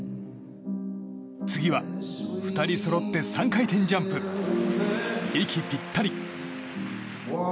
次は２人そろって３回転ジャンプ息ぴったり。